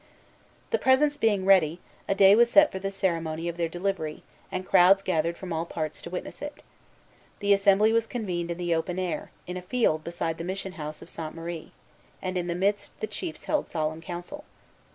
The presents being ready, a day was set for the ceremony of their delivery; and crowds gathered from all parts to witness it. The assembly was convened in the open air, in a field beside the mission house of Sainte Marie; and, in the midst, the chiefs held solemn council.